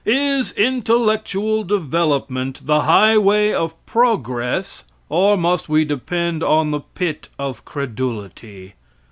Is intellectual development the highway of progress or must we depend on the pit of credulity?